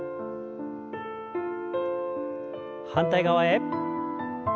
反対側へ。